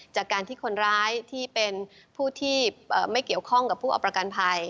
จากการที่คนร้ายที่เป็นผู้ที่ไม่เกี่ยวข้องกับผู้เอาประกันภัย